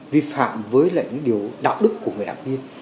vi phạm với lại những điều đạo đức của người đảng viên